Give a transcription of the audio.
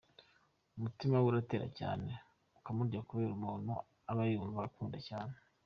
Umutima we uratera cyane ukamurya kubera ukuntu abayumva agukunda cyane.